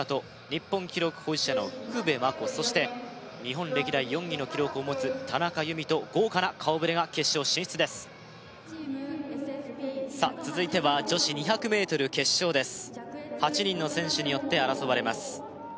日本記録保持者の福部真子そして日本歴代４位の記録を持つ田中佑美と豪華な顔ぶれが決勝進出ですさあ続いては女子２００ｍ決勝です８人の選手によって争われます